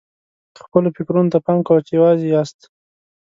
خپلو فکرونو ته پام کوه چې یوازې یاست.